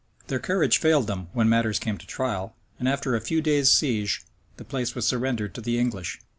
[] Their courage failed them when matters came to trial; and after a few days' siege, the place was surrendered to the English.